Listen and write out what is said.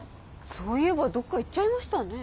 そういえばどっか行っちゃいましたね。